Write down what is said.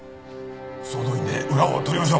総動員で裏を取りましょう。